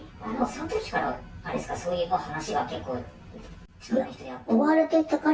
そのときからあれですか、そういう話が結構出てましたか？